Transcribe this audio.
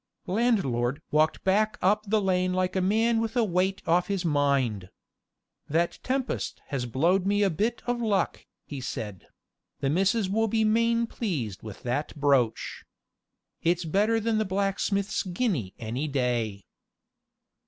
Landlord walked back up the lane like a man with a weight off his mind. "That tempest has blowed me a bit of luck," he said; "the missus will be main pleased with that brooch. It's better than blacksmith's guinea any day."